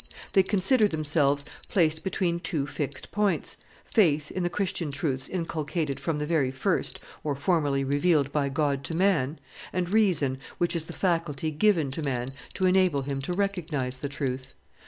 They consider themselves placed between two fixed points, faith in the Christian truths inculcated from the very first or formally revealed by God to man, and reason, which is the faculty given to man to enable him to recognize the truth.